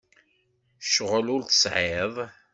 Ccɣel ur t-tesɛiḍ?